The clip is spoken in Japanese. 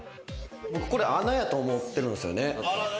僕これ穴やと思ってるんすよね。